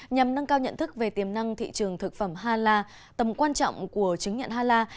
nhằm nâng cao nhận thức về tiềm năng thị trường thực phẩm hala tầm quan trọng của chứng nhận hala